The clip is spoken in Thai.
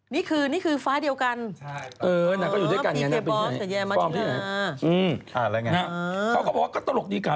มีใครบอกไหม